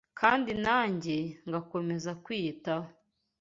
kandi nanjye ngakomeza kwiyitaho